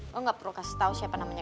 lo gak perlu kasih tau siapa namanya